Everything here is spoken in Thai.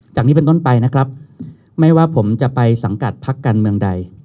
จากนี้เป็นต้นไปนะครับไม่ว่าผมจะไปสังกัดพักการเมืองใด